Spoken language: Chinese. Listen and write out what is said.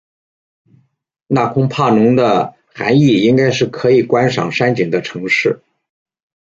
那空拍侬的涵义应该是可以观赏山景的城市。